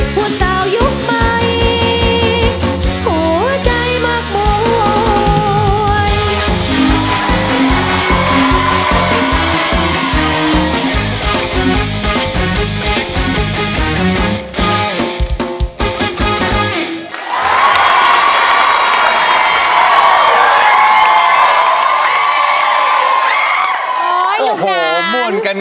ผู้เศร้ายุคใหม่หัวใจมักหมวน